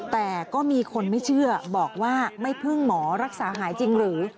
แต่ก็มีคนไม่เชื่อบอกว่าไม่พึ่งหมอรักษาหายจริงหรือ